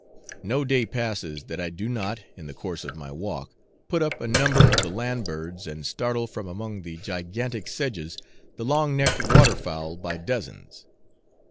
No day passes that I do not, in the course of my walk, put up a number of the land birds, and startle from among the gigantic sedges the long necked water fowl by dozens.